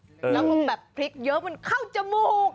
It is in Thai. แล้วพอแบบพริกเยอะมันเข้าจมูก